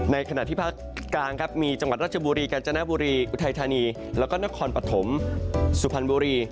ขณะที่ภาคกลางครับมีจังหวัดราชบุรีกาญจนบุรีอุทัยธานีแล้วก็นครปฐมสุพรรณบุรี